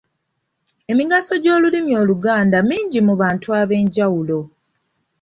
Emigaso gy’Olulimi Oluganda mingi mu bantu ab'enjawulo.